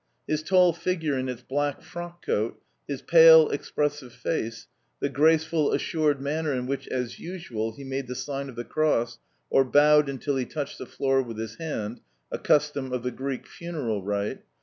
His tall figure in its black frockcoat, his pale, expressive face, the graceful, assured manner in which, as usual, he made the sign of the cross or bowed until he touched the floor with his hand [A custom of the Greek funeral rite.